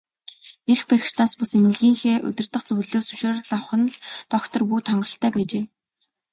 Эрх баригчдаас бус, эмнэлгийнхээ удирдах зөвлөлөөс зөвшөөрөл авах нь л доктор Вүд хангалттай байжээ.